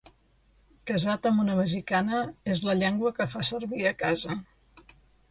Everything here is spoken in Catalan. Casat amb una mexicana, és la llengua que fa servir a casa.